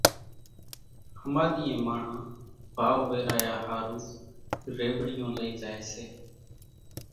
ۿماۮِيئين ماڻۿان ڀائو ويرايا ۿارُو ريوڙيون لئي زائي سي۔